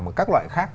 mà các loại khác